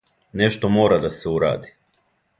Нешто мора да се уради.